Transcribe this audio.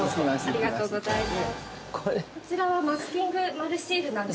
◆ありがとうございます。